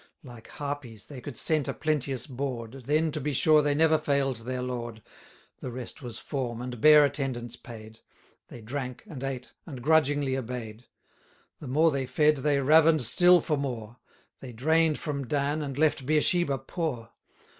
960 Like Harpies, they could scent a plenteous board, Then to be sure they never fail'd their lord: The rest was form, and bare attendance paid; They drank, and ate, and grudgingly obey'd. The more they fed, they raven'd still for more; They drain'd from Dan, and left Beersheba poor.